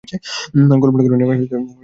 কল্পনা করে নেওয়ায় আমি খুব বিশ্বাসী।